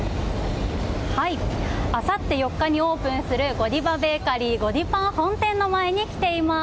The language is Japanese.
あさって４日にオープンするＧＯＤＩＶＡＢａｋｅｒｙゴディパン本店の前に来ています。